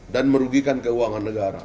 dan merugikan keuangan negara